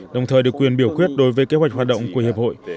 đồng thời được quyền biểu quyết đối với kế hoạch hoạt động của hiệp hội